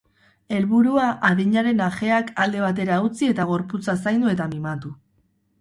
Helburua, adinaren ajeak alde batera utzi eta gorputza zaindu eta mimatu.